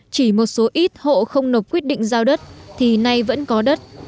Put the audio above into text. chỉ một số ít hộ không nộp quyết định giao đất thì nay vẫn có đất